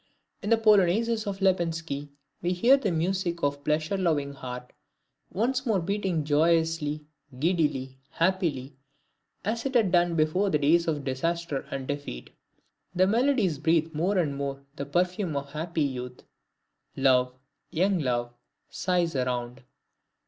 In the Polonaises of Lipinski we hear the music of the pleasure loving heart once more beating joyously, giddily, happily, as it had done before the days of disaster and defeat. The melodies breathe more and more the perfume of happy youth; love, young love, sighs around.